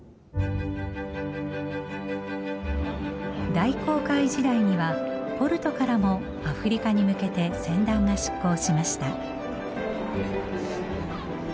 大航海時代にはポルトからもアフリカに向けて船団が出航しました。